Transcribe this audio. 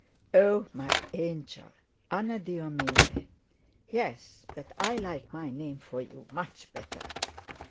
"Oh! my angel! Anadyomene." "Yes! but I like my name for you much better."